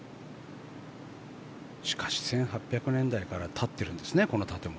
しかし、１８００年代から立ってるんですね、この建物。